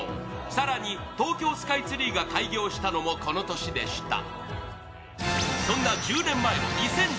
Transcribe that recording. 更に東京スカイツリーが開業したのもこの年でした。